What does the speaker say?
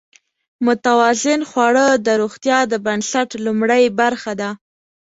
متوازن خواړه د روغتیا د بنسټ لومړۍ برخه ده.